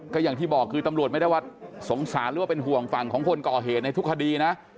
ก็อย่างที่บอกคือตำรวจไม่ได้ว่าสงสารหรือว่าเป็นห่วงฝั่งของคนก่อเหตุในทุกคดีนะ